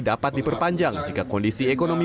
dapat diperpanjang jika kondisi ekonomi